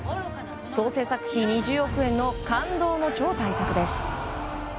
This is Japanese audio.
総製作費２０億円の感動の超大作です。